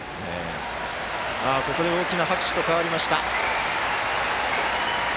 ここで大きな拍手と変わりました。